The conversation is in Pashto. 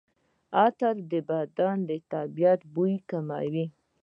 عطرونه د بدن طبیعي بوی کموي.